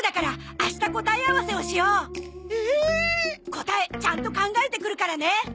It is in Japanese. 答えちゃんと考えてくるからね。